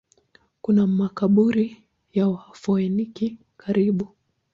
Kuna makaburi ya Wafoeniki karibu.